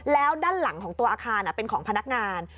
แล้วด้านหลังของตัวอาคารเป็นของพนักงาน